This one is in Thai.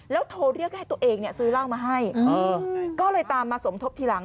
แล้วโทรเรียกให้ตัวเองซื้อเล่ามาให้ก็เลยตามมาสมทบทีหลัง